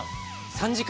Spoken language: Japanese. ３時間。